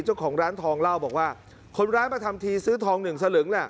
เจ้าของร้านทองเล่าบอกว่าคนร้ายมาทำทีซื้อทองหนึ่งสลึงแหละ